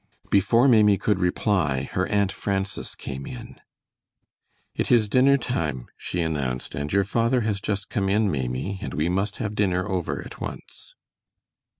Before Maimie could reply her Aunt Frances came in. "It is dinner time," she announced, "and your father has just come in, Maimie, and we must have dinner over at once."